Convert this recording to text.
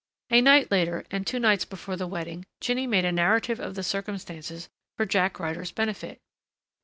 A night later, and two nights before the wedding, Jinny made a narrative of the circumstances for Jack Ryder's benefit.